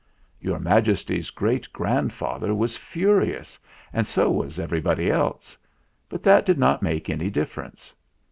Your Majesty's great grandfather was furi THE ENTERTAINMENT 133 ous, and so was everybody else; but that did not make any difference.